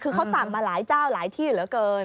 คือเขาสั่งมาหลายเจ้าหลายที่เหลือเกิน